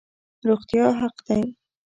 روغتیا حق دی